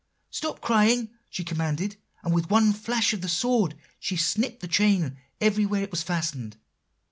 "'Stop crying!' she commanded; and with one flash of the sword, she snipped the chain everywhere it was fastened.